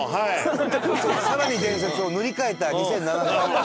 更に伝説を塗り替えた２００７年。